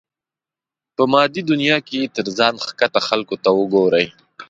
په مادي دنيا کې تر ځان ښکته خلکو ته وګورئ.